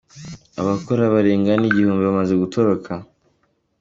Abakora barenga nigihumbi bamaze gutoroka